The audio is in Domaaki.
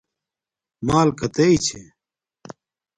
مݳل کَتݵئ چھݺ؟